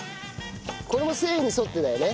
これも繊維に沿ってだよね。